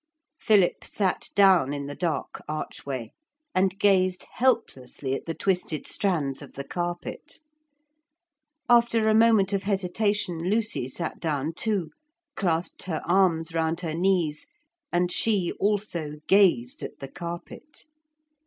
Philip sat down in the dark archway and gazed helplessly at the twisted strands of the carpet. After a moment of hesitation Lucy sat down too, clasped her arms round her knees, and she also gazed at the carpet.